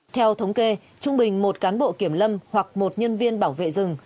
theo thống kê trung bình một cán bộ kiểm lâm hoặc một nhân viên bảo vệ rừng